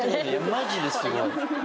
マジですごい。